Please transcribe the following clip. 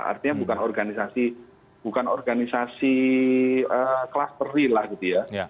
artinya bukan organisasi kelas peri lah gitu ya